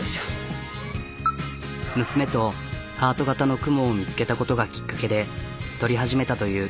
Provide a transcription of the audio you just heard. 娘とハート型の雲を見つけたことがきっかけで撮り始めたという。